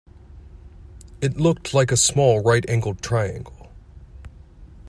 It looked like a small right-angled triangle